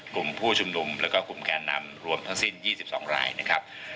กลุ่มผู้ชุมนุมแล้วก็กลุ่มแกนนำรวมทั้งสิ้น๒๒รายนะครับ